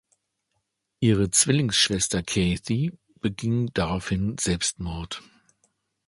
Ihre Zwillingsschwester Cathy beging daraufhin Selbstmord.